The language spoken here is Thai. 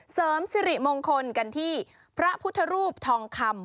เสริมสิริมงคลกันที่พระพุทธรูปทองคำ